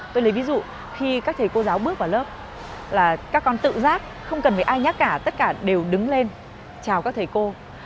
tôi lấy ví dụ khi các thầy cô giáo bước vào lớp là các con tự giác không cần phải ai nhắc cả tất cả đều đứng lên chào các thầy cô